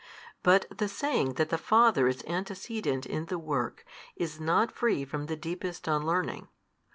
But the saying that the Father is antecedent in the work9, is not free from the deepest unlearning.